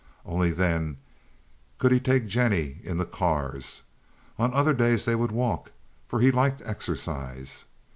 Only then could he take Jennie in the cars. On other days they would walk, for he liked exercise.